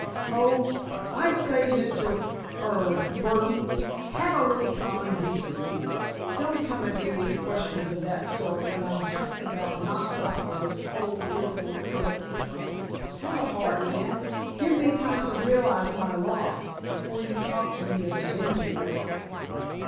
"Oh—I say, Mr.—er—Burdon, have a little common decency! Don't come at me with questions of that sort, when I'm just about knocked out with this whole fearful occurrence! Have a heart, man, give me time to realize my loss, before you talk to me of avenging it!"